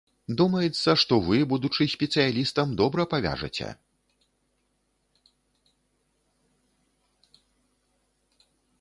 Думаецца, што вы, будучы спецыялістам, добра павяжаце.